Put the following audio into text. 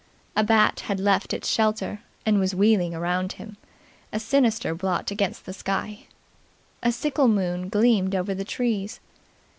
A bat had left its shelter and was wheeling around him, a sinister blot against the sky. A sickle moon gleamed over the trees.